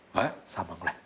３万ぐらい？